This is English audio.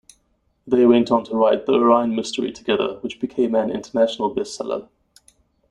They went on to write "The Orion Mystery" together, which became an international bestseller.